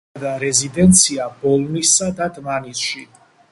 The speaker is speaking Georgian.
კათედრა და რეზიდენცია ბოლნისსა და დმანისში.